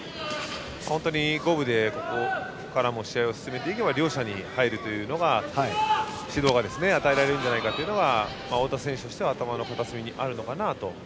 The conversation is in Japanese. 本当に五分で試合を進めていけば両者に入るというのが、指導が与えられるのではというのが太田選手としては頭の片隅にあるのかなと。